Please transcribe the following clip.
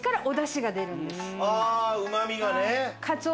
ああうまみがね。